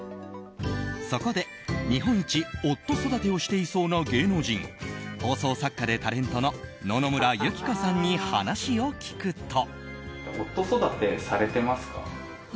そこで、日本一夫育てをしていそうな芸能人放送作家でタレントの野々村友紀子さんに話を聞くと。